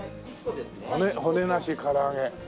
骨なし唐揚。